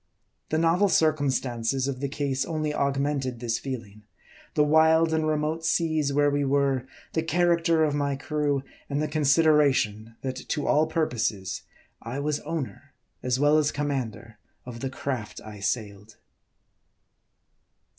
The novel circumstances of the case only augmented this feeling ; the wild and remote seas where we were ; the character of my crew, and the consideration, that to all purposes, I was owner, as well as commander of the craft I sailed.